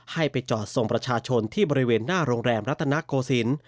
ให้ไปจอดส่งประชาชนที่บริเวณหน้าโรงแรมรัฐนาโกศิลป์